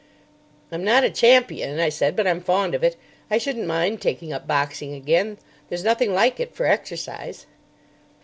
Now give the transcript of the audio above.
"I'm not a champion," I said; "but I'm fond of it. I shouldn't mind taking up boxing again. There's nothing like it for exercise."